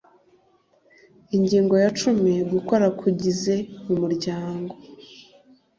Ingingo ya cumi Gukora k ugize umuryango